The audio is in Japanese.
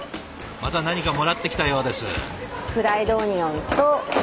また何かもらってきたようです。